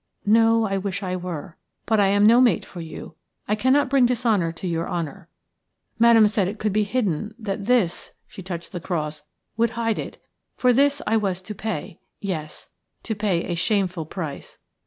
"No, I wish I were; but I am no mate for you; I cannot bring dishonour to your honour. Madame said it could be hidden, that this" – she touched the cross – "would hide it. For this I was to pay – yes, to pay a shameful price.